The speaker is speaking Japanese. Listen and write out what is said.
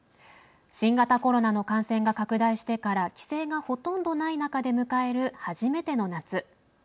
新型コロナの感染が拡大してから規制が、ほとんどない中で迎える初めての夏。